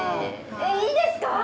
えっいいですか！？